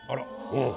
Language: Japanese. うん。